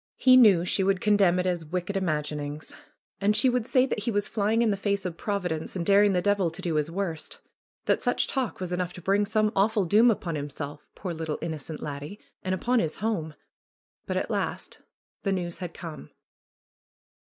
He knew she would condemn it as 'Vicked imaginings." And she would say that he was flying in the face of Providence and daring the devil to do his worst; that such talk was enough to bring some awful doom upon himself — poor, little, innocent laddie! — and upon his home. But at last the news had come.